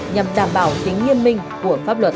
nhằm đảm bảo tính nhiên minh của pháp luật